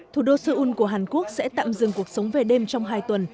thủ đô seoul của hàn quốc sẽ tạm dừng cuộc sống về đêm trong hai tuần